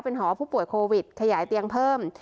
หอผู้ป่วยโควิดขยายเตียงเพิ่ม